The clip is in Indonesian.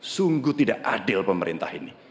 sungguh tidak adil pemerintah ini